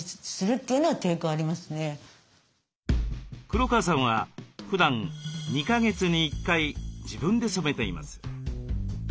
黒川さんはふだん２か月に１回自分で染めています。